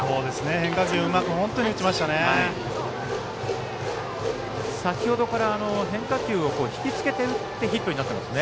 変化球本当にうまく打ちましたね。